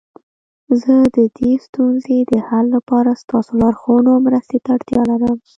زه د دې ستونزې د حل لپاره ستاسو لارښوونو او مرستي ته اړتیا لرم